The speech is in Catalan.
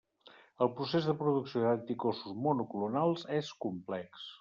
El procés de producció d'anticossos monoclonals és complex.